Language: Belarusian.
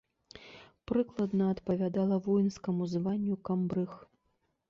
Прыкладна адпавядала воінскаму званню камбрыг.